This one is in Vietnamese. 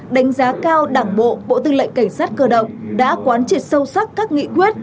đánh giá cao đảng bộ bộ tư lệnh cảnh sát cơ động đã quán triệt sâu sắc các nghị quyết